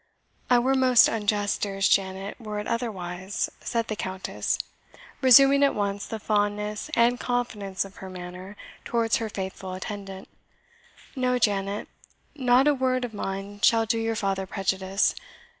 "I were most unjust, dearest Janet, were it otherwise," said the Countess, resuming at once the fondness and confidence of her manner towards her faithful attendant, "No, Janet, not a word of mine shall do your father prejudice.